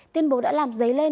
tiên bố đã làm dấy lên